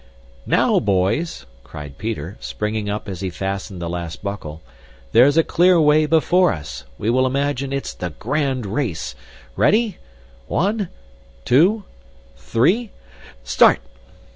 "Now, boys," cried Peter, springing up as he fastened the last buckle. "There's a clear way before us! We will imagine it's the grand race. Ready! One, two, three, start!"